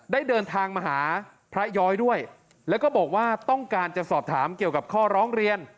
ได้เดินทางมาหาพระย้อยด้วยแล้วก็บอกว่าต้องการจะสอบถามเกี่ยวกับข้อร้องเรียน